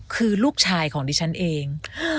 คือลูกชายของดิฉันเอง